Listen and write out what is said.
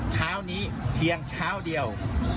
เช้านี้เพียงเช้าเดียว